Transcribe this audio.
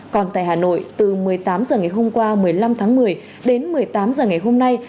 còn tại hà nội từ một mươi tám h ngày hôm qua một mươi năm tháng một mươi đến một mươi tám h ngày hôm nay